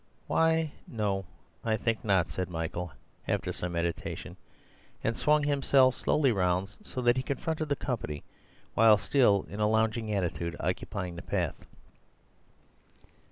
"Why, no; I think not," said Michael, after some meditation, and swung himself slowly round, so that he confronted the company, while still, in a lounging attitude, occupying the path.